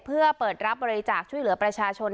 เพื่อเปิดรับบริจาคช่วยเหลือประชาชน